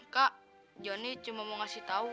kak joni cuma mau kasih tau